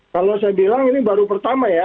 kalau saya bilang ini baru pertama ya